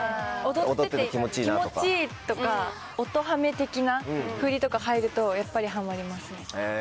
踊ってて気持ちいいとか音ハメ的な振りとか入るとやっぱりハマりますね。